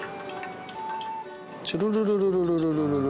チュルルルルル。